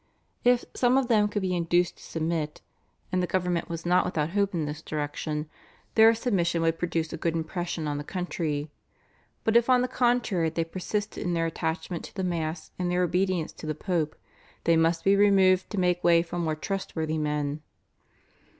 If some of them could be induced to submit and the government was not without hope in this direction their submission would produce a good impression on the country; but if on the contrary they persisted in their attachment to the Mass and their obedience to the Pope, they must be removed to make way for more trustworthy men.